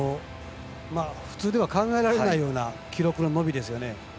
普通では考えられないような記録の伸びですよね。